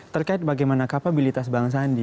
terkait bagaimana kapabilitas bang sandi